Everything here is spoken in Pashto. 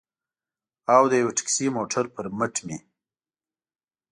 او د یوه ټکسي موټر پر مټ مې.